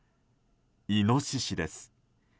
イノシシです。